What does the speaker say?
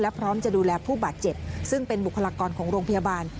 พร้อมจะดูแลผู้บาดเจ็บซึ่งเป็นบุคลากรของโรงพยาบาล